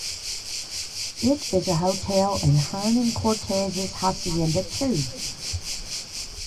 It is a hotel and Hernan Cortez's hacienda too.